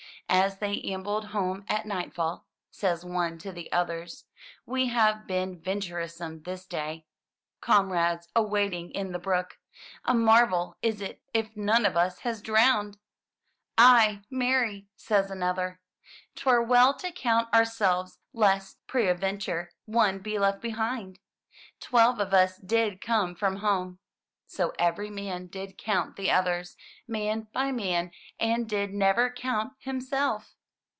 As they ambled home at nightfall, says one to the others, *'We have been ven turesome this day, comrades, a wading in the brook. A marvel is it if none of us was drowned!'* "Aye, marry!'' says another. '* Twere well to count our selves, lest, peradventure, one be left behind! Twelve of us did come from home!" So every man did count the others, man by man, and did never count himself!